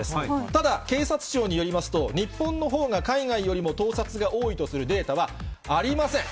ただ、警察庁によりますと、日本のほうが海外よりも盗撮が多いとするデータはありません。